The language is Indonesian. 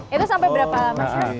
itu sampai berapa masak